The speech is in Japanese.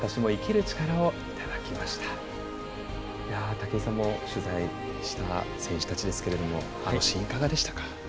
武井さんも取材した選手たちですけれどもあのシーン、いかがでしたか？